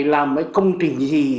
là một công trình gì